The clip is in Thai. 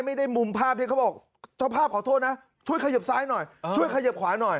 นี่ไงหน้าก็บังเออ